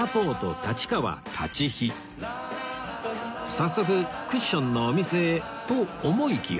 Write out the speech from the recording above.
早速クッションのお店へと思いきや